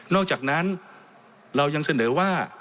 อกจากนั้นเรายังเสนอว่า